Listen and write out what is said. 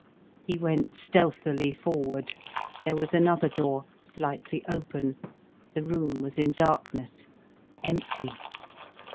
He went stealthily forward. There was another door, slightly open. The room was in darkness. Empty.